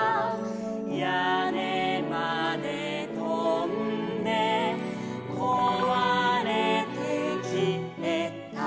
「屋根までとんでこわれてきえた」